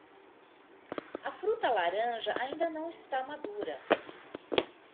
A fruta laranja ainda não está madura.